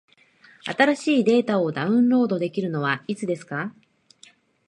新しいデータをダウンロードできるのはいつですか？